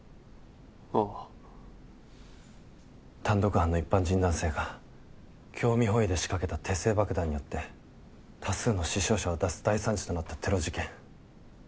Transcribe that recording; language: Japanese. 単独犯の一般人男性が興味本位で仕掛けた手製爆弾によって多数の死傷者を出す大惨事となったテロ事件。